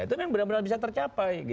itu memang benar benar bisa tercapai